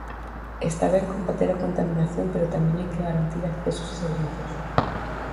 Está ben combater a contaminación pero tamén hai que garantir accesos e servizos.